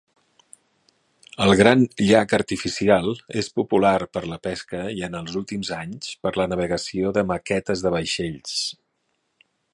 El gran llac artificial és popular per la pesca i, en els últims anys, per la navegació de maquetes de vaixells.